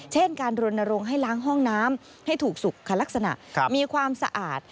เช่นการรณรงค์ให้ล้างห้องน้ำให้ถูกสุขลักษณะมีความสะอาด